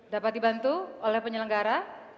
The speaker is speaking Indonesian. dapat dibantu oleh penyelenggara